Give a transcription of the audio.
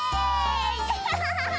アハハハ！